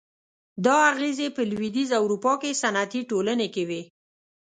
دا اغېزې په لوېدیځه اروپا کې صنعتي ټولنې کې وې.